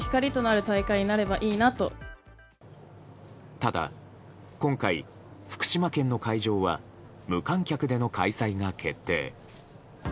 ただ今回、福島県の会場は無観客での開催が決定。